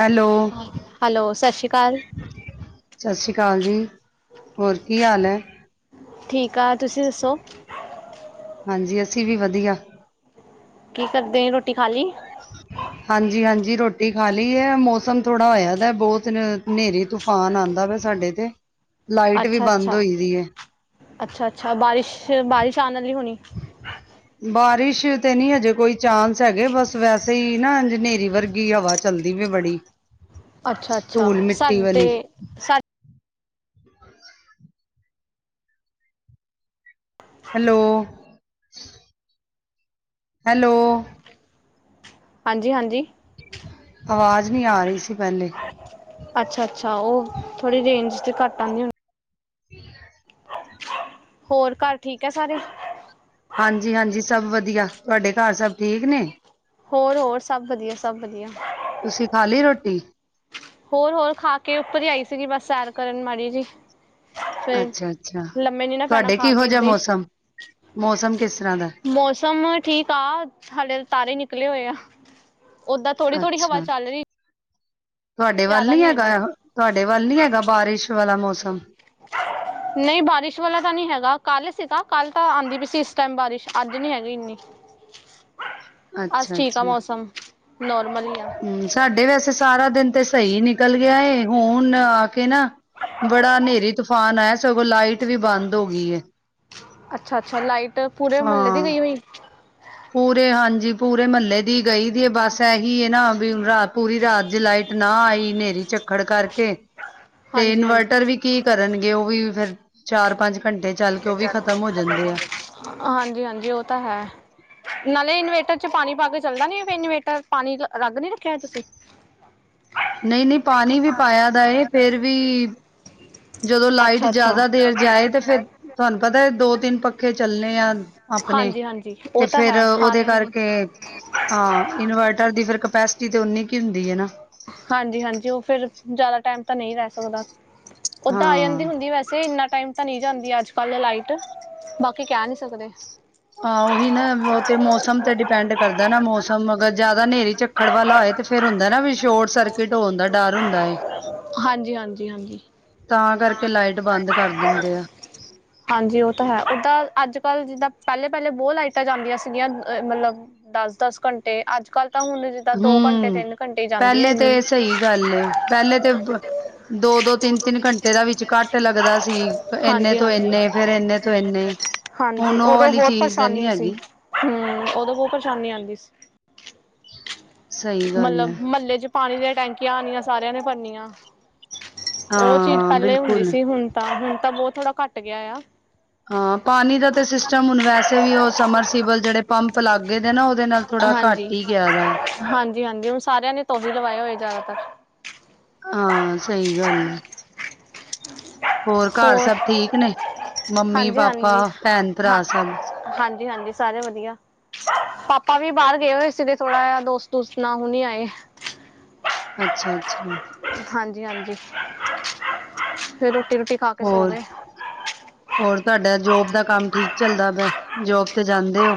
Hello. Hello ਸਤਿ ਸ਼੍ਰੀ ਅਕਾਲ ਸਤਿ ਸ੍ਰੀ ਅਕਾਲ ਜੀ, ਹੋਰ ਕੀ ਹਾਲ ਹੈ? ਠੀਕ ਆ, ਤੁਸੀਂ ਦੱਸੋ? ਹਾਂਜੀ, ਅਸੀਂ ਵੀ ਵਧੀਆ। ਕੀ ਕਰਦੇ, ਰੋਟੀ ਖਾ ਲਈ। ਹਾਂਜੀ-ਹਾਂਜੀ ਰੋਟੀ ਖਾ ਲਈ ਹੈ, ਮੌਸਮ ਥੋੜਾ ਹੋਇਆ ਦਾ ਬਹੁਤ ਹਨੇਰੀ ਤੂਫ਼ਾਨ ਹਾ, ਨਹਾਂਦਾ ਪਿਆ ਸਾਡੇ ਤੇ। ਲਾਈਟ ਵੀ ਅੱਛਾ ਬੰਦ -ਅੱਛਾ, ਹੋਈ ਦੀ ਹੈ ਅੱਛਾ -ਅੱਛਾ, ਬਾਰਿਸ਼- ਬਾਰਿਸ਼ ਆਉਣ ਵਾਲੀ ਹੋਣੀ ਬਾਰਿਸ਼ ਤੇ ਨੀ ਹਜੇ ਕੋਈ ਚਾਂਸ ਹੈਗੇ, ਬਸ ਵੈਸੇ ਈ ਨਾ ਨੇਰੀ ਵਰਗੀ ਹਵਾ ਚੱਲਦੀ ਵੇ ਬੜੀ ਅੱਛਾ ਅੱਛਾ ਧੂਲ ਮਿੱਟੀ ਸਾਡੇ ਵਾਲੀ ਸਾ ਹੈਲੋ। ਹੈਲੋ। ਹਾਂਜੀ -ਹਾਂਜੀ। ਆਵਾਜ਼ ਨਹੀ, ਆ ਰਹੀ ਸੀ ਪਹਿਲੇ ਅੱਛਾ-ਅੱਛਾ ਉਹ ਥੋੜੀ ਰੇਂਜ ਚ ਘੱਟ ਆਉਂਦੀ ਹੁੰਦੀ! ਹਮ। ਹੋਰ ਘਰ ਠੀਕ ਹੈ ਸਾਰੇ। ਹਾਂਜੀ ਹਾਂਜੀ ਸਭ ਵਧੀਆ ਤੁਹਾਡੇ ਘਰ ਸਭ ਠੀਕ ਨੇ। ਹੋਰ ਹੋਰ ਸਭ ਵਧੀਆ ਸਭ ਵਧੀਆ। ਤੁਸੀਂ ਖਾ ਲਈ ਰੋਟੀ। ਹੋਰ- ਹੋਰ ਖਾ ਕੇ ਉੱਪਰ ਹੀ ਆਈ ਸੀਗੀ, ਬਸ ਸੈਰ ਕਰਨ ਮਾੜੀ ਜੀ ਫਿਰ ਅੱਛਾ- ਅੱਛਾ ਲੰਮੇ ਨੀ ਨਾ ਪੈਣਾ ਤੁਹਾਡੇ ਖਾ ਕੇ ਕਿਹੋ ਜਿਹਾ ਏਦਾਂ ਹੀ ਮੌਸਮ ਮੌਸਮ ਕਿਸ ਤਰ੍ਹਾਂ ਦਾ, ਮੌਸਮ ਠੀਕ ਆ ਸਾਡੇ ਤਾਰੇ ਨਿਕਲੇ ਹੋਏ ਆ। ਓਦਾਂ ਥੋੜ੍ਹ ਥੋ੍ਹੀ ਹਵਾ ਅੱਛਾ ਚੱਲ ਰਹੀ। ਤੁਹਾਡੇ ਵੱਲ ਜ਼ਿਆਦਾ ਨੀ ਹੈਗਾ ਹੈਗੀ ਤੁਹਾਡੇ ਵੱਲ ਨੀ ਹੈਗਾ ਬਾਰਿਸ਼ ਵਾਲਾ ਮੌਸਮ। [unintelligible] ਨਹੀਂ ਬਾਰਿਸ਼ ਵਾਲਾ ਤਾਂ ਨਹੀਂ ਹੈਗਾ ਕੱਲ ਸੀ ਤਾਂ ਕੱਲ ਤਾਂ ਆਉਂਦੀ ਵੀ ਸੀ ਇਸ ਟਾਈਮ ਬਾਰਿਸ਼ ਅੱਜ ਨਹੀਂੀ ਹੈਗੀ ਇੰਨੀ ਅਸ ਠੀਕ ਆ ਅੱਛਾ-ਅੱਛਾ ਮੌਸਮ ਨੋਰਮਲ ਹੀ ਆ। ਹਮ ਸਾਡੇ ਵੈਸੇ ਸਾਰਾ ਦਿਨ ਤੇ ਸਹੀ ਨਿਕਲ ਗਿਆ ਹੁਣ ਆ ਕੇ ਨਾ। ਬੜਾ ਹਨੇਰੀ ਤੂਫਾਨ ਆਇ ਸਗੋਂ ਲਾਈਟ ਵੀ ਬੰਦ ਹੋ ਗਈ ਅੱਛਾ ਅੱਛਾ ਲਾਈਟ ਪੂਰੇ ਮਹੱਲੇ ਦੀ ਹਾਂ ਗਈ ਹੋਈ। ਪੂਰੇ ਹਾਂਜੀ ਪੂਰੇ ਮਹੱਲੇ ਦੀ ਗਈ ਦੀ ਬਸ ਇਹੀ ਨਾ ਵੀ ਰਾ ਪੂਰੀ ਰਾਤ ਜ ਲਾਈ। ਨਾ ਆਈ ਹਨੇਰੀ ਝੱਖੜ ਕਰਕੇ ਹ। ਤੇ ਇਨਵਰਟਰ ਵੀ ਕੀ ਕਰਨਗੇ ਉਹ ਵੀ ਫੇਰ ਚਾਰ ਪੰਜ ਘੰਟੇ ਚੱਲ ਕੇ ਉਹ ਵੀ ਖਤਮ ਹੋ ਜਾਂਦੇ ਆ ਹਾਂਜੀ ਹਾਂਜੀ ਉਹ ਤਾਂ ਹੈ। ਨਾਲੇ ਇਨਵੇਟਰ ਚ ਪਾਣੀ ਪਾ ਕੇ ਚੱਲਦਾ ਨੀ ਫਿਰ ਇਨਵੇਟਰ ਪਾਣੀ ਰੱਗ ਨੀ ਰੱਖਿਆ ਤੁਸੀਂ। ਹ ਨਹੀਂ ਨਹੀਂ ਪਾਣੀ ਵੀ ਪਾਇਆ ਦਾ ਇਹ ਫੇਰ ਵੀ [unintelligible] ਜਦੋਂ ਲਾਈਟ ਅੱਛਾ ਅੱਛਾ ਜ਼ਿਆਦਾ ਦੇਰ ਜਾਏ ਤਾਂ ਫੇਿਰ ਤੁਹਾਨੂੰ ਪਤਾ ਦੋ ਤਿੰਨ ਪੱਖੇ ਚੱਲਣੇ ਆ ਆਪਣੇ ਹਾਂਜੀ ਹਾਂਜੀ ਤੇ ਉਹ ਤਾਂ ਫੇਿਰ ਹੈ ਉਹਦੇ ਸਾਰਿਆਂ ਨੇ ਕਰਕੇ। ਹਾਂ ਇਨਵਰਟਰ ਦੀ ਕਪੈਸਿਟੀ ਤੇ ਉਨੀ ਕੁ ਹੁੰਦੀ ਹੈ ਨਾ। ਹਾਂਜੀ ਹਾਂਜੀ ਉਹ ਫਿਰ ਜ਼ਿਆਦਾ ਟਾਈਮ ਤਾਂ ਨਹੀਂ ਰਹਿ ਸਕਦਾ ਉਓਦਾਂ ਆ ਹਾਂ ਜਾਂਦੀ ਹੁੰਦੀ ਵੈਸੇ ਇੰਨਾ। ਤਾਂ ਨਹੀਂ ਜਾਂਦੀ ਅੱਜ ਕੱਲ ਲਾਈਟ ਬਾਕੀ ਕਹਿ ਨਹੀਂੀ ਸਕਦੇ। ਹਾਂ ਉਹੀ ਨਾ ਉਹ ਤੇ ਮੌਸਮ ਤੇ ਡਿਪੈਂਡ ਕਰਦਾ ਨਾ ਮੌਸਮ ਅਗਰ ਜ਼ਿਆਦਾ ਹਨੇਰੀ ਚੱਕ ਖੜਵਾ ਲਾਏ ਤੇ ਫੇਿਰ ਹੁੰਦਾ ਨਾ ਵੀ ਸ਼ੋਰਟ ਸਰਕਿਟ ਹੋ ਹੁੰਦਾ ਡਰ ਹੁੰਦਾ ਹਾਂਜੀ ਹਾਂਜੀ ਹਾਂਜੀ। ਤਾਂ ਕਰਕੇ ਲਾਈਟ ਬੰਦ ਕਰ ਦਿੰਦੇ ਆ ਹਾਂਜੀ ਉਹ ਤਾਂ ਹੈ ਉਓਦਾਂ ਅੱਜ ਕੱਲ੍ਹ ਜਿੱਦਾਂ ਪਹਿਲੇ ਪਹਿਲੇ ਬਹੁਤ ਲਾਈਟਾਂ ਜਾਂਦੀਆਂ ਸੀਗੀਆਂ ਅ ਮਤਲਬ ਦਸ ਦਸ ਘੰਟੇ ਅੱਜ ਕੱਲ ਤਾਂ ਹੁਣ ਜਿੱਦਾਂ ਦੋ ਘੰਟੇ ਹੂੰ, ਤਿੰਨ ਘੰਟੇ ਜਾਂਦੀ ਹੈ ਪਹਿਲੇ ਇੰਨੀ ਤੇ ਸਹੀ ਗੱਲ ਏ ਪਹਿਲੇ ਤੇ ਦੋ ਦੋ ਤਿੰਨ ਤਿੰਨ ਘੰਟੇ ਦਾ ਵਿੱਚ ਘੱਟ ਲੱਗਦਾ ਸੀ। ਇੰਨੇ ਹਾਂਜੀ ਤੋਂ ਹਾਂਜੀ ਇੰਨੇ ਫੇਰ ਇੰਨੇ ਤੋਂ ਇੰਨੇ। ਹਾਂਜੀ ਹੁਣ ਉਹ ਉਦੋਂ ਵਾਲੀ ਬਹੁਤ ਚੀਜ਼ ਤਾਂ ਨੀ ਪਰੇਸ਼ਾਨੀ ਸੀ ਹੈਗੀ, ਹਮ ਉਦੋਂ ਬਹੁਤ ਪਰੇਸ਼ਾਨੀ ਆਉਂਦੀ ਸੀ। ਸਹੀ ਗੱਲ ਐ, ਮਤਲਬ ਮਹੱਲੇ ਚ ਪਾਣੀ ਦੀਆਂ ਟੈਂਕੀਆਂ ਆਉਣੀਆਂ ਸਾਰਿਆਂ ਨੇ ਭਰਨੀਆਂ ਉਹ ਚੀਜ਼ ਹਾਂ-ਹਾਂ ਪਹਿਲੇ ਹੁੰਦੀ ਬਿਲਕੁਲ। ਸੀ ਹੁਣ ਤਾਂ ਹੁਣ ਤਾਂ ਬਹੁਤ ਥੋੜਾ ਘੱਟ ਗਿਆ ਆ ਹਾਂ ਪਾਣੀ ਦਾ ਤਾਂ ਸਿਸਟਮ ਹੁਣ ਵੈਸੇ ਵੀ ਉਹ ਸਮਰਸੀਬਲ ਜਿਹੜੇ ਪੰਪ ਲੱਗ ਗਏ ਨੇ ਨਾ ਉਹਦੇ ਨਾਲ ਥੋੜਾ ਘੱਟ ਹਾਂਜੀ। ਕੀ ਕਦਾਏ ਹਾਂਜੀ ਹਾਂਜੀ ਹੁਣ ਸਾਰਿਆਂ ਨੇ ਤੂੰ ਵੀ ਲਵਾਏ ਹੋਏ ਜ਼ਿਆਦਾਤਰ। ਹਾਂ ਸਹੀ ਗੱਲ ਹੈ। ਹੋਰ ਘਰ ਸਭ ਠੀਕ ਨੇ ਮੰਮੀ ਹਾਂਜੀ ਪਾਪਾ ਹਾਂਜੀ ਭੈਣ ਭਰਾ ਹਾਂ ਸਭ। ਹਾਂਜੀ ਹਾਂਜੀ ਸਾਰੇ ਵਧੀਆ ਪਾਪਾ ਵੀ ਬਾਹਰ ਗਏ ਹੋਏ ਸੀ ਤੇ ਥੋੜਾ ਜਿਹਾ ਦੋਸਤ-ਦੋਸਤ ਨਾ ਹੁਨ ਆਏ ਆ। ਅੱਛਾ-ਅੱਛਾ ਹਾਂਜੀ-ਹਾਂਜੀ ਫਿਰ ਰੋਟੀ ਰੂਟੀ ਹੋਰ-ਹੋਰ ਤੁਹਾਡਾ ਜੋਬ ਦਾ ਕੰਮ ਠੀਕ ਚੱਲਦਾ ਪਿਆ। ਜੋਬ ਤੇ ਜਾਂਦੇ ਓ।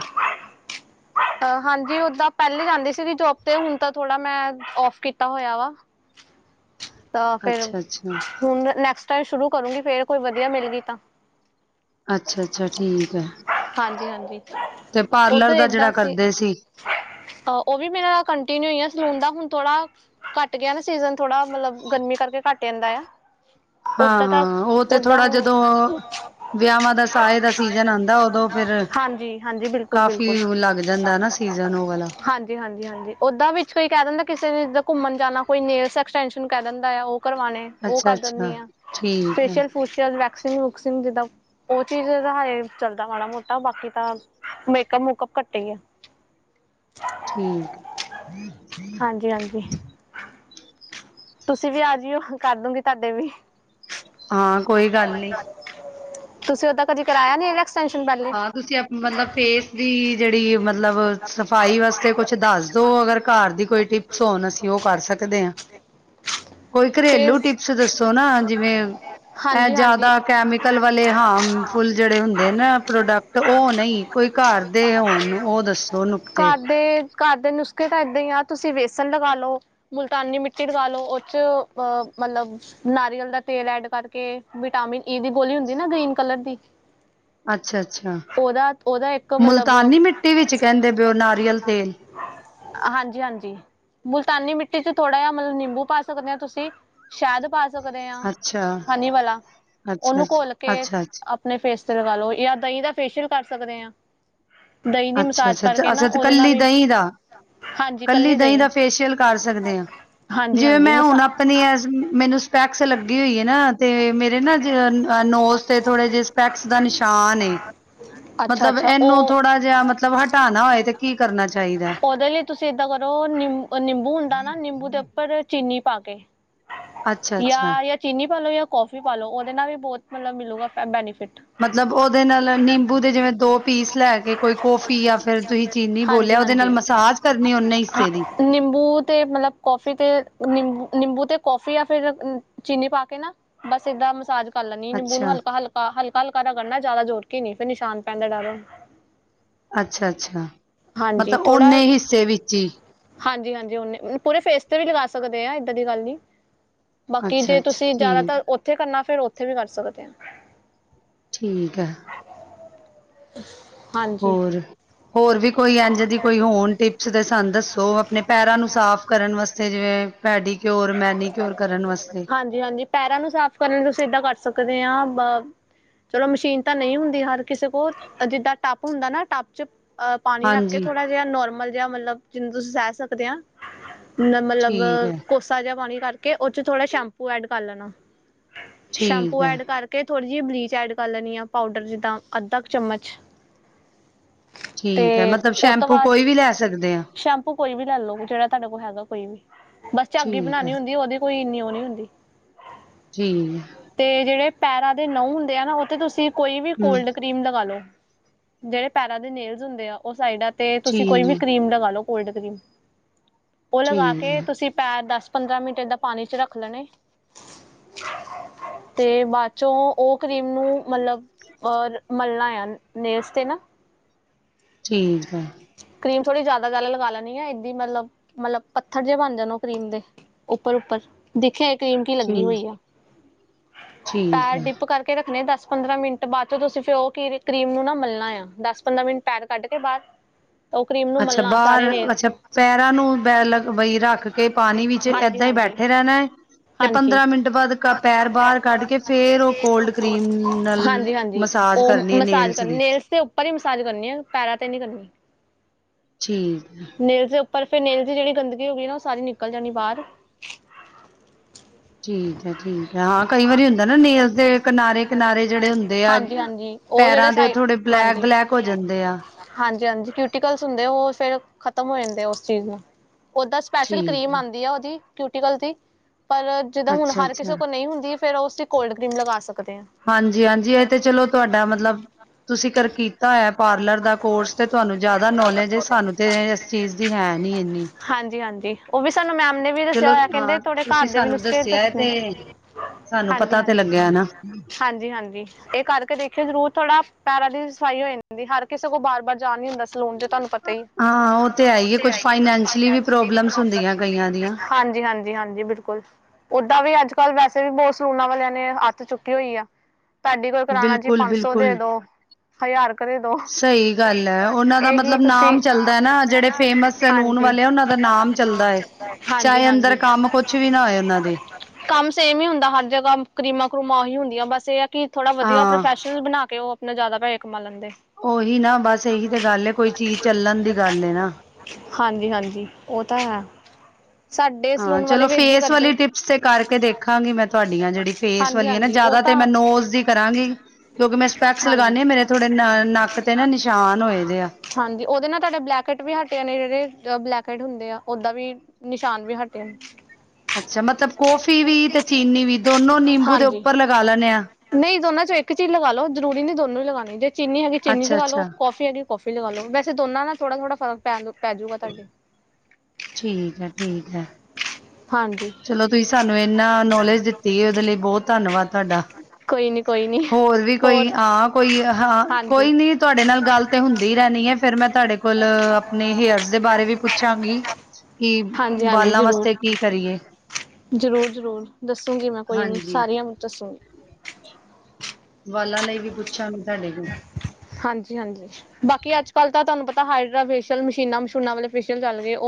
ਹਾਂਜੀ ਓਦਾਂ ਪਹਿਲੇ ਜਾਂਦੀ ਸੀਗੀ ਜੋਬ ਤੇ ਹੁਣ ਤਾਂ ਥੋੜਾ ਮੈਂ ਓਫ ਕੀਤਾ ਹੋਇਆ ਵਾ। ਤਾਂ ਫਿਰ ਅੱਛਾ ਅੱਛਾ ਹੁਣ ਨੈਕਸਟ ਟਾਈਮ ਸ਼ੁਰੂ ਕਰੂਗੀ ਫੇਰ ਕੋਈ ਵਧੀਆ ਮਿਲ ਗੀ ਤਾਂ ਅੱਛਾ ਅੱਛਾ ਠੀਕ ਹੈ ਹਾਂਜੀ-ਹਾਂਜੀ ਤੇ ਪਾਰਲਰ ਉਧਰ ਦਾ ਜਿਹੜਾ ਏਦਾਂ ਸੀ। ਕਰਦੇ ਆਹ ਉਹ ਵੀ ਮੇਰੇ ਨਾਲ ਕੰਟੀਨਿਊ ਹੋਈ ਸਲੂਨ ਦਾ ਹੁਣ ਥੋੜਾ ਘੱਟ ਗਿਆ ਨਾ ਸੀਜਨ ਥੋੜਾ ਮਤਲਬ ਗਰਮੀ ਕਰਕੇ ਘੱਟ ਜਾਂਦਾ ਆ। ਹਾਂ ਓਦਾਂ ਹਾਂ ਤਾਂ ਉਹ ਤੇ ਓਦਾਂ ਥੋੜਾ ਜਦੋਂ ਵਿਆਹਾਂ ਦਾ ਸਾਏ ਦਾ ਸੀਜਨ ਆਉਂਦਾ ਉਦੋਂ ਫਿਰ ਹਾਂਜੀ-ਹਾਂਜੀ ਬਿਲਕੁਲ ਕਾਫੀ ਬਿਲਕੁਲ ਲੱਗ ਜਾਂਦਾ ਨਾ ਸੀਜਨ ਉਹ ਵਾਲਾ ਹਾਂਜੀ। ਹਾਂਜੀ-ਹਾਂਜੀ ਓਦਾਂ ਵਿੱਚ ਕੋਈ ਕਹਿ ਦਿੰਦਾ ਕਿਸੇ ਨੇ ਜਰ ਘੁੰਮਣ ਜਾਣਾ ਕੋਈ ਨੇਲਸ ਐਕਸਟਸ਼ਨ ਕਹਿ ਦਿੰਦਾ ਆ ਉਹ ਕਰਵਾਣੇ ਉਹ ਅੱਛਾ ਕਰ ਅੱਛਾ ਦਿੰਦੀ ਆ ਠੀਕ ਹੈ ਫੇਸ਼ਅਲ ਫੁਸ਼ਅਲ ਵੈਕਸਿੰਗ ਵੁਕਸਿੰਗ ਜਿੱਦਾਂ ਉਹ ਚੀਜ਼ ਤਾਂ ਹਜੇ ਚੱਲਦਾ ਮਾੜਾ ਮੋਟਾ ਬਾਕੀ ਤਾਂ ਮੇਕਅਪ ਮੁਕਅਪ ਘੱਟੇ ਹੀ ਆ। [inaudible] [inaudible] ਹਾਂਜੀ ਤੁਸੀਂ ਵੀ ਆ ਜਇਓ ਕਰ ਦੋਗੀ ਤੁਹਾਡੇ ਵੀ ਹਾਂ ਕੋਈ ਗੱਲ ਨਹੀਂ। ਤੁਸੀਂ ਉਦਾਂ ਕਦੀ ਕਰਾਇਆ ਨਹੀਂ ਇਲੈਕਸ ਹਾਂ ਤੁਸੀਂ ਅਪ ਮਤਲਬ ਫੇਸ ਦੀ ਜਿਹੜੀ ਮਤਲਬ ਸਫ਼ਾਈ ਵਾਸਤੇ ਕੁਛ ਦੱਸ ਦੋ ਅਗਰ ਘਰ ਦੀ ਕੋਈ ਟਿਪ ਸੋਣ ਅਸੀਂ ਉਹ ਕਰ ਸਕਦੇ ਹਾਂ। [inaudible] ਕੋਈ ਘਰੇਲੂ ਫੇਸ ਟਿਪਸ ਦੱਸੋ ਨਾ ਜਿਵੇਂ ਇਹ ਹਾਂਜੀ ਹਾਂਜੀ ਜਿਆਦਾ ਕੈਮੀਕਲ ਵਾਲੇ ਹਾਰਮ ਫੁੱਲ ਜਿਹੜੇ ਹੁੰਦੇ ਨਾ ਪ੍ਰੋਡਕਟ ਉਹ ਨਹੀਂ ਕੋਈ ਘਰ ਦੇ ਹੋਣ ਉਹ ਦੱਸੋ ਨੁਕਤੇ ਘਰ ਦੇ ਘਰ ਦੇ ਨੁਸਖੇ ਤਾਂ ਏਦਾਂ ਹੀ ਆ ਤੁਸੀਂ ਵੇਸਨ ਲਗਾ ਲਓ ਮੁਲਤਾਨੀ ਮਿੱਟੀ ਲੱਗਾ ਲਓ ਉਹ 'ਚ ਮਤਲਬ ਨਾਰੀਅਲ ਦਾ ਤੇਲ ਐਡ ਕਰਕੇ ਵਿਟਾਮਿਨ ਈ ਦੀ ਗੋਲੀ ਹੁੰਦੀ ਨਾ ਗ੍ਰੀਨ ਕਲਰ ਦੀ ਅੱਛਾ-ਅੱਛਾ ਉਹਦਾ ਉਹਦਾ ਇੱਕ ਮਤਲਬ ਮੁਲਤਾਨੀ ਮਿੱਟੀ ਵਿੱਚ ਕਹਿੰਦੇ ਪਏ ਓ ਨਾਰੀਅਲ ਤੇਲ ਹਾਂਜੀ-ਹਾਂਜੀ ਮੁਲਤਾਨੀ ਮਿੱਟੀ 'ਚ ਥੋੜਾ ਜਿਹਾ ਮਤਲਬ ਨਿੰਬੂ ਪਾ ਸਕਦੇ ਹੋ ਤੁਸੀਂ ਸ਼ਹਿਦ ਪਾ ਸਕ ਸਕਦੇ ਹਾਂ ਅੱਛਾ ਹਨੀ ਵਾਲਾ ਅੱਛਾ ਉਹਨੂੰ ਘੋਲ ਕੇ ਅਪ ਅੱਛਾ ਅੱਛਾ ਅੱਛਾ ਆਪਣੇ ਫੇਸ ਤੇ ਲਗਾ ਲਓ ਯਾ ਦਹੀਂ ਦਾ ਫੇਸ਼ੀਅਲ ਕਰ ਸਕਦੇ ਹਾਂ। ਦਹੀਂ ਦੀ ਮਸਾਜ ਕਰਕੇ ਨਾ ਅੱਛਾ-ਅੱਛਾ-ਅੱਛਾ ਤੇ ਉਹਦੇ ਨਾਲ ਕੱਲੀ ਵੀ ਦਹੀਂ ਦਾ ਕੱਲੀ ਦਹੀਂ ਦਾ ਫੇਸ਼ੀਅਲ ਕਰ ਸਕਦੇ ਹਾਂ। ਹਾਂਜੀ ਜਿਵੇਂ ਹਾਂਜੀ ਮੈਂ ਹੁਣ ਮਸਾ ਆਪਣੀ ਮੈਨੂੰ ਸਪੈਕਸ ਲੱਗੀ ਹੋਈ ਹੈ ਨਾ ਤੇ ਮੇਰੇ ਨਾ ਨੋਸ ਤੇ ਥੋੜੇ ਜਿਹੇ ਸਪੈਕਸ ਦਾ ਨਿਸ਼ਾਨ ਏ ਅੱਛਾ ਮਤਲਬ ਅੱਛਾ ਇਹਨੂੰ ਉਹ ਥੋੜਾ ਜਿ ਮਤਲਬ ਹਟਾਣਾ ਹੋਏ ਤੇ ਕੀ ਕਰਨਾ ਚਾਹੀਦਾ। ਉਹ ਨਿੰਬੂ ਹੁੰਦਾ ਨਾ ਨਿੰਬੂ ਦੇ ਉੱਪਰ ਚੀਨੀ ਪਾ ਕੇ ਅੱਛਾ-ਅੱਛਾ ਜਾਂ ਚੀਨੀ ਪਾ ਲਉ ਜਾਂ ਕੌਫੀ ਪਾ ਲਉ ਉਹਦੇ ਨਾਲ ਵੀ ਬਹੁਤ ਮਤਲਬ ਮਿਲੂਗਾ ਬੈਨੀਫਿਟ ਮਤਲਬ ਉਹਦੇ ਨਾਲ ਨਿੰਬੂ ਦੇ ਜਿਵੇਂ ਦੋ ਪੀਸ ਲੈ ਕੇ ਕੋਈ ਕੋਫੀ ਜਾਂ ਫਿਰ ਤੁਸੀਂ ਚੀਨੀ ਹਾਂਜੀ ਬੋਲਿਆ ਉਹਦੇ ਨਾਲ ਹਾਂਜੀ ਹਾਂ ਮਸਾਜ ਕਰਨੀ ਉਹਨੇ ਹਿੱਸੇ ਦੀ ਨਿੰਬੂ ਤੇ ਮਤਲਬ ਕੋਫ ਫੀ ਤੇ ਨਿੰਬੂ -ਨਿੰਬੂ ਤੇ ਕੌਫੀ ਆ ਫਿਰ ਚੀਨੀ ਪਾ ਕੇ ਨਾ ਬਸ ਏਦਾਂ ਮਸਾਜ ਕੱਲ ਨੀ ਨਿੰਬੂ ਨੂੰ ਅੱਛਾ, ਹਲਕਾ-ਹਲਕਾ-ਹਲਕਾ- ਹਲਕਾ ਰਗੜਨਾ ਜਿਆਦਾ ਜੋਰ ਕੇ ਨਹੀਂ ਫਿਰ ਨਿਸ਼ਾਨ ਪੈਂ ਦਾ ਡਰ ਅੱਛਾ-ਅੱਛਾ ਮਤਲਬ ਓਨੇ ਹਿੱਸੇ ਵਿੱਚ ਹੀ ਹਾਂਜੀ-ਹਾਂਜੀ ਉਨੇ ਪੂਰੇ ਫੇਸ ਤੇ ਵੀ ਲਗਾ ਸਕਦੇ ਆ ਏਦਾਂ ਦੀ ਗੱਲ ਨਹੀਂ। ਬਾਕੀ ਜੇ ਅੱਛਾ-ਅੱਛਾ ਤੁਸੀਂ ਠੀਕ, ਜ਼ਿਆਦਾਤਰ ਉੱਥੇ ਕਰਨਾ ਫੇਿਰ ਉੱਥੇ ਵੀ ਕਰ ਸਕਦੇ ਆ। ਠੀਕ ਆ। ਹਾਂਜੀ ਹੋਰ ਹੋਰ ਵੀ ਕੋਈ ਇੰਜ ਦੀ ਕੋਈ ਹੋਣ ਟਿਪਸ ਦੱਸ ਸਾਨੂੰ ਦੱਸੋ ਆਪਣੇ ਪੈਰਾਂ ਨੂੰ ਸਾਫ਼ ਕਰਨ ਵਾਸਤੇ ਜਿਵੇਂ ਪੈਡੀ ਕਿਓਰ ਮੈਨੀ ਕਿਓਰ ਕਰਨ ਵਾਸਤੇ ਜੀ ਹਾਂਜੀ ਪੈਰਾਂ ਨੂੰ ਸਾਫ਼ ਕਰਨ ਲਈ ਤੁਸੀਂ ਏਦਾਂ ਕਰ ਸਕਦੇ ਹ ਬ। ਚਲੋ ਮਸ਼ੀਨ ਤਾਂ ਨਹੀਂ ਹੁੰਦੀ ਹਰ ਕਿਸੇ ਕੋਲ ਜਿੱਦਾਂ ਟੱਪ ਹੁੰਦਾ ਨਾ ਟਪ ਚ। ਅ ਪਾਣੀ ਰੱਖ ਕੇ ਹਾਂਜੀ ਥੋੜ੍ਹਾ ਜਿਹਾ ਨੋਰਮਲ ਜਿਹਾ ਮਤਲਬ ਜਿਨੂੰ ਤੁਸੀਂ ਸਹਿ ਸਕਦੇ ਆ ਮਤਲਬ ਠੀਕ ਹੈ, ਕੋਸਾ ਜਿਹਾ ਪਾਣੀ ਕਰਕੇ ਉਹ ਚਚ ਥੋੜ੍ਹਾ ਸ਼ੈਂਪੂ ਐਡ ਕਰ ਲੈਣਾ। ਠੀਕ ਸ਼ੈਂਪੂ ਹੈ। ਐਡ ਕਰਕੇ ਕਿਥੋੜ੍ਹੀ ਜਿਹੀ ਬਲੀਚ ਐਡ ਕਰ ਲੈਣੀ ਹਾਂ ਪਊਡਰ ਜਿੱਦਾਂ ਅੱਧਾ ਚਮਚ। ਤੇ ਠੀਕ ਹੈ ਮਤਲਬ ਉਹ ਤੋਂ ਸ਼ੈਂਪੂ ਬਾਅਦ ਕੋਈ ਵੀ ਲੈ ਸਕਦੇ ਹਾਂ ਸ਼ੈਂਪੂ ਕੋਈ ਵੀ ਲੈ ਲਉ ਜਿਹੜਾ ਤੁਹਾਡੇ ਕੋਲ ਹੈਗਾ ਕੋਈ ਵੀ। ਬਸ ਝੱਗ ਹੀ ਠੀਕ ਹੈ ਬਣਾਉਣੀ ਹੁੰਦੀ ਉਹਦੀ ਕੋਈ ਇੰਨੀ ਉਹ ਨਹੀਂ ਹੁੰਦੀ। ਠੀਕ ਹੈ। ਤੇ ਜਿਹੜੇ ਪੈਰਾਂ ਦੇ ਨਹ ਹੁੰਦੇ ਆ ਨਾ ਉਥੇ ਤੁਸੀਂ ਕੋਈ ਵੀ ਹਮ ਕੋਲਡ ਡਕ ਕਰੀਮ ਲਗਾ ਲੋ ਜਿਹੜੇ ਪੈਰਾਂ ਦੇ ਨੇੇਲਜ਼ ਹੁੰਦੇ ਆ ਉਹ ਸਾਈਡਾਂ ਤੇ ਤੁਸੀਂ ਕੋਈ ਠੀਕ ਵੀ ਹੈ ਕਰੀਮ ਲਗਾ ਲੋ ਕੋਲਡ ਕਰੀਮ ਉਹ ਲਗਾ ਠੀਕ ਕੇ ਹੈ ਤੁਸੀਂ ਪੈਰ ਦਸ ਪੰਦਰਾਂ ਮਿੰਟ ਏਦਾਂ ਪਾਣੀ ਚ ਰੱਖ ਲੈਣੇ। ਤੇ ਬਾਅਦ ਚੋਂ ਉਹ ਕਰੀਮ ਨੂੰ ਮਤਲਬ। ਔਰ ਮੱਲਣਾ ਆ ਨੈਲਸ ਤੇ ਨਾ। ਠੀਕ ਹੈ ਕਰੀਮ ਥੋੜ੍ਹੀ ਜ਼ਿਆਦਾ ਜਿਆਦਾ ਲਗਾ ਲੈਣੀ ਆ ਇਏਦ ਮਤਲਬ ਮਤਲਬ ਪੱਥਰ ਜਿਹੇ ਬਣ ਜਾਣ ਉਹ ਕਰੀਮ ਦੇ ਉੱਪਰ-ਉੱਪਰ ਦੇਖਿਆ ਇਹ ਕਰੀਮ ਕੀ ਲੱਗੀ ਠੀਕ ਹੋਈ ਆ ਠੀਕ ਪੈਰ ਹੈ ਡਿਪ ਕਰਕੇ। ਕੇ ਰੱਖਣੇ ਦਸ ਪੰਦਰਾਂ ਮਿੰਟ ਬਾਅਦ ਚੋਂ ਤੁਸੀਂ ਫਿਰ ਉਹ ਕੀ ਕਰੀਮ ਨੂੰ ਨਾ ਮਲਣਾ ਆ ਦਸ ਪੰਦਰਾਂ ਮਿੰਟ ਪੈਰ ਕੱਢ ਕੇ ਬਾਹਰ। ਤਾਂ ਉਹ ਕਰੀਮ ਨੂੰ ਅੱਛਾ ਮਲਣਾ ਬਾਹਰ ਸਾਰੇ ਨੇ ਅੱਛਾ ਪੈਰਾਂ ਨੂੰ ਬ ਲ ਬਈ ਰੱਖ ਕੇ ਪਾਣੀ ਵਿੱਚ ਹਾਂਜੀ ਏਦਾਂ ਹੀ ਹਾਂਜੀ ਬੈਠ ਫਰਾਣਾ ਤੇ ਹਾਂਜੀ ਪੰਦਰਾਂ ਮਿੰਟ ਬਾਅਦ ਕ ਪੈਰ ਬਾਹਰ ਕੱਢ ਕੇ ਫੇਰ ਉਹ ਕੋਲਡ ਕਰੀਮ ਨਾਲ ਹਾਂਜੀ ਮਸ। ਹਾਂਜੀ ਮਸਾਜ ਕਰਨੀ ਹੈ ਨੇਲਸ ਦੀ। ਪਰਰੀ ਮਸਾਜ ਕਰਨੀ ਆ ਪੈਰਾ ਤੇ ਨਹੀਂੀ ਕਰਨੀ ਠੀਕ ਹੈ ਨੇਲਸ ਦੇ ਉੱਪਰ ਫਿਰ ਨੇਲਸ ਦੀ ਜਿਹੜੀ ਗੰਦਗੀ ਹੋ ਗਈ ਨਾ ਉਹ ਸਾਰੀ ਨਿਕਲ ਜਾਣੀ ਬਾਹਰ। ਠੀਕ ਹੈ। ਠੀਕ ਹੈ। ਹਾਂ ਕਈ ਵਾਰੀ ਹੁੰਦਾ ਨਾ ਨੇਲਸ ਦੇ ਕਿਨਾਰੇ-ਕਿਨਾਰੇ ਜਿਹੜੇ ਹੁੰਦੇ ਆ। ਹਾਂਜੀ ਹਾਂਜੀ ਉਹ ਜਿਹੜੇ ਪੈਰਾਂ ਦੇ ਥੋੜੇ ਬਲੈਕ ਬਲੈਕ ਹੋ ਜਾਂਦੇ ਆ ਹਾਂਜੀ-ਹਾਂਜੀ ਕਿਊਟੀਕਲਸ ਹੁੰਦੇ ਉਹ ਫੇਰ ਖ਼ਤਮ ਹੋ ਜਾਂਦੇ ਉਸ ਚੀਜ਼ ਨੂੰ ਓਦਾ। ਸਪੈਸ਼ਲ ਕਰੀਮ ਠੀਕ ਐ, ਆਉਂਦੀ ਆ ਉਹਦੀ ਕਿਊਟੀਕਲ ਦੀ ਪਰ ਜਿੱਦਾਂ ਹੁਣ ਹਰ ਕਿਸੇ ਅੱਛਾ-ਅੱਛਾ, ਕੋਲ ਨਹੀਂ ਹੁੰਦੀ ਫਿਰਰ ਉਸ ਚ ਕੋਲਡ ਕਰੀਮ ਲਗਾ ਸਕਦੇ ਹਾਂ ਹਾਂਜੀ ਹਾਂਜੀ ਇਹ ਤੇ ਚਲੋ ਤੁਹਾਡਾ ਮਤਲਬ ਤੁਸੀਂ ਕਰ ਕੀਤਾ ਹੈ ਪਾਰਲਰ ਦਾ ਕੋਰਸ ਤੇ ਤੁਹਾਨੂੰ ਜ਼ਿਆਦਾ ਨੌਲੇਜ ਹ ਸਾਨੂੰ ਤੇ ਇਸ ਚੀਜ਼ ਦੀ ਹੈ ਨੀ ਇੰਨੀ। ਹਾਂਜੀ-ਹਾਂਜੀ ਉਹ ਵੀ ਸਾਨੂੰ ਮੈਮ ਨੇ ਵੀ ਦੱਸਿਆ ਚਲੋ ਹੋਇਆ ਕਹਿੰਦੇ ਹਾਂ ਥਹਾੜੇ ਘਰ ਤੁਸੀਂ ਦੇ ਵੀ ਸਾਨੂੰ ਨੁਸਖੇ ਦੱਸਿਆ ਏ ਦੱਸਣੇ। ਤੇ ਸਾਨੂੰ ਹਾਂਜੀ ਪਤਾ ਤੇ ਹਾਂਜੀ ਲੱਗਿਆ ਨਾ। ਹਾਂਜੀ। ਹਾਂਜੀ। ਇਹ ਕਰਕੇ ਦੇਖਿਓ ਜ਼ਰੂਰ ਥੋੜਾ ਪੈਰਾਂ ਦੀ ਸਫ਼ਾਈ ਹੋ ਜਾਂਦੀ ਹਰ ਕਿਸੇ ਕੋਲ ਬਾਰ-ਬਾਰ ਜਾਣ ਨੀ ਹੁੰਦਾ ਸੀ। ਲੋਂ ਜਾ ਤੈਨੂੰ ਪਤਾ ਹੀ। ਹਾਂ ਉਹ ਤੇ ਹੈ ਈ ਏ ਕੁਛ ਫਾਈਨੈਂਸ਼ਲੀ ਵੀ ਪ੍ਰੋਬਲਮਸ ਹੁੰਦੀਆਂ ਕਈਆਂ ਦੀਆਂ। ਹਾਂਜੀ ਹਾਂਜੀ ਹਾਂਜੀ ਬਿਲਕੁਲ ਓਦਾਂ ਵੀ ਅੱਜ ਕੱਲ੍ਹ ਵੈਸੇ ਵੀ ਬਹੁਤ ਸਲੂਨਾ ਵਾਲਿਆਂ ਨੇ ਹੱਥ ਚੁੱਕੀ ਹੋਈ ਆ। ਤੁਹਾਡੀ ਕੋਲ ਕਰਾਣਾ ਜੀ ਪੰਜ ਸੌ ਦੇ ਬਿਲਕੁਲ-ਬਿਲਕੁਲ। ਦੋ ਹਜ਼ਾਰ ਕਰ ਦੇ ਦੋ। ਸਹੀ ਗੱਲ ਐ ਉਹਨਾਂ ਦਾ ਇਹੀ ਮਤਲਬ ਤੁਸੀਂ ਨਾਮ ਚੱਲਦਾ ਹੈ ਨਾ ਜਿਹੜੇ ਫੇਮਸ ਸੈਲੂਨ ਹਾਂਜੀ। ਵਾਲੇ ਆ ਉਹਨਾਂ ਦਾ ਨਾਮ ਚੱਲਦਾ ਏ। ਹਾਂਜੀ। ਚਾਹੇ ਹਾਂਜੀ। ਅੰਦਰ ਚ ਅਦਰ ਕੰਮ ਨਾ ਕੁਛ ਹੋਏ ਵੀ ਉਹਨਾਂ ਦੇ, ਨਾ। ਕੰਮ ਸੇਮ ਹੀ ਹੁੰਦਾ ਹਰ ਜਗ੍ਹਾ ਕਰੀਮਾਂ ਕਰੂਮਾਂ ਉਹੀ ਹੁੰਦੀਆਂ ਬਸ ਇਹ ਆ ਕਿ ਥੋੜਾ ਵਧੀਆ ਹਾਂ। ਪ੍ਰੋੈਸ਼ਨ ਬਿਲ ਬਣਾ ਕੇ ਉਹ ਆਪਣਾ ਜ਼ਿਆਦਾ ਪੈਸੇ ਕਮਾ ਲੈਂਦੇ। ਉਹੀ ਨਾ ਬਸ ਇਹੀ ਤੇ ਗੱਲ ਕੋਈ ਚੀਜ਼ ਚੱਲਣ ਦੀ ਗੱਲ ਏਨਾ। ਹਾਂਜੀ-ਹਾਂਜੀ, ਉਹ ਤਾਂ ਹੈ। ਸਾਡੇ ਹਾਂ, ਸਲੂਨ ਵਾਲੇ ਚਲੋ ਵੀ ਏਦਾਂ ਹੀ ਫੇਸ ਵਾਲੀ ਕਰਦੇ। ਟਿਪਸ ਤੇ ਕਰਕੇ ਦੇਖਾਂਗੀ ਮੈਂ ਤੁਹਾਡੀਆਂ ਜਿਹੜੀ ਫੇਸ ਹਾਂਜੀ ਵਾਲੀਆਂ ਨਾ ਹਾਂਜੀ ਉਹ ਜਿਆਦਾ ਤੇ ਤਾਂ ਮੈਂ ਨੋਜ਼ ਦੀ ਕਰਾਂਗੀ। ਕਿਉਂਕਿ ਮੈਂ ਸਪੈਕਸ ਲਗਾਉਦੀ ਹਾਂਜੀ। ਹਾਂ, ਮੇਰੇ ਥੋੜੇ ਨੱਕ ਤੇ ਨਾ ਨਿਸ਼ਾਨ ਹੋਏ ਦਿਆ। ਹਾਂਜੀ, ਉਹਦੇ ਨਾਲ ਤੁਹਾਡੇ ਬਲੈਕੇਟ ਵੀ ਹਟਿਆ ਨੇ ਜਿਹੜੇ ਬਲੈਕਟ ਹੁੰਦੇ ਆ ਓਦਾਂ ਵੀ ਨਿਸ਼ਾਨ ਵੀ ਹਟੇਯਾਂ। ਅੱਛਾ, ਮਤਲਬ ਕੌਫੀ ਵੀ ਤੇ ਚੀਨੀ ਵੀ ਦੋਨੋ ਨਿੰਬੂ ਦੇ ਹਾਂਜੀ। ਉੱਪਰ ਲਗਾ ਲੈਣੇ ਆ। ਨਹੀਂ ਦੋਨਾਂ ਚੋਂ ਇੱਕ ਚੀਜ਼ ਲਗਾ ਲੋ ਜ਼ਰੂਰੀ ਨੀ ਦੋਨੋਂ ਹੀ ਲਗਾਉਣੀ, ਜੇ ਚੀਨੀ ਹੈਗੀ ਚੀਨੀ ਲਗਾ ਲੋ ਅੱਛਾ-ਅੱਛਾ ਕੌਫੀ ਹੈਗੀ ਕਾਫੀ ਲਗਾ ਲਓ ਵੈਸੇ ਦੋਨਾਂ ਨਾਲ ਥੋੜਾ-ਥੋੜਾ ਫਰਕ ਪੈ ਪੈਜੂਗਾ ਤੁਹਾਡੇ। ਠੀਕ ਹੈ-ਠੀਕ ਹੈ। ਹਾਂਜੀ। ਚਲੋ, ਤੁਸੀਂ ਸਾਨੂੰ ਇਨਾ ਨੌਲੇਜ ਦਿੱਤੀ ਹੈ ਉਹਦੇ ਲਈ ਬਹੁਤ ਧੰਨਵਾਦ ਤੁਹਾਡਾ। ਕੋਈ ਨੀ ਕੋਈ ਨੀ ਹੋਰ ਵੀ ਕੋਈ ਹੋਰ ਹਾਂ, ਕੋਈ ਹਾਂ, ਹਾਂਜੀ, ਕੋਈ ਨੀ ਤੁਹਾਡੇ ਨਾਲ ਗੱਲ ਤੇ ਹੁੰਦੀ ਇਧਰ ਹੀ ਰਹਣੀ ਹੈ ਫੇਰ ਮੈਂ ਤੁਹਾਡੇ ਕੋਲ ਆਪਣੇ ਹੇਅਰਸ ਦੇ ਬਾਰੇ ਵੀ ਪੁੱਛਾਂਗੀ। ਕੀ ਬਾਲਾਂ ਵਾਸਤੇ ਕੀ ਕਰੀਏ? ਜ਼ਰੂਰ-ਜ਼ਰੂਰ, ਦੱਸੂਗੀ ਮੈਂ ਕੋਈ ਨੀ ਹਾਂਜੀ ਸਾਰੀਆਂ ਨੂੰ ਦੱਸੂਗੀ। ਵਾਲਾਂ ਲਈ ਵੀ ਪੁੱਛਾਂਗੇ ਤੁਹਾਡੇ ਕੋਲ। ਹਾਂਜੀ-ਹਾਂਜੀ, ਬਾਕੀ ਅੱਜ-ਕੱਲ ਤਾਂ ਤੁਹਾਨੂੰ ਪਤਾ ਤਾਂ ਹਾਇਡਰਾ ਫੇਸ਼ੀਅਲ ਮਸ਼ੀਨਾਂ-ਮਸ਼ੂਨਾ ਵਾਲੇ ਫੇਸੀਅਲ ਚੱਲ ਗਏ ਉਹ